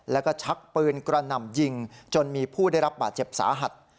แล้วก็ชักปืนกระหน่ำยิงจนมีผู้ได้รับบาดเจ็บสาหัส